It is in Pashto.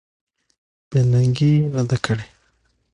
بې ننګي یې نه ده کړې.